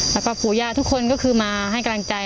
แล้วก็ปู่ย่าทุกคนก็คือมาให้กำลังใจ